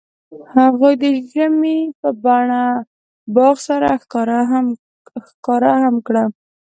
هغوی د ژمنې په بڼه باغ سره ښکاره هم کړه.